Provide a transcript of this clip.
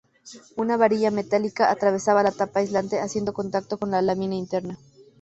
Una varilla metálica atravesaba la tapa aislante haciendo contacto con la lámina interna.